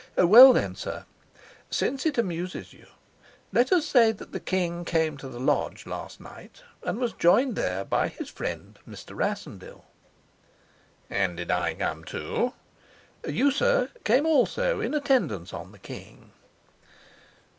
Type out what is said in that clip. "Well, then, sir, since it amuses you, let us say that the king came to the lodge last night, and was joined there by his friend Mr. Rassendyll." "And did I come too?" "You, sir, came also, in attendance on the king."